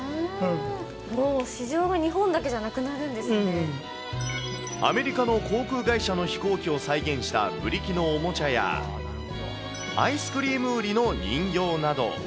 もう市場が日本だけじゃなくアメリカの航空会社の飛行機を再現したブリキのおもちゃや、アイスクリーム売りの人形など。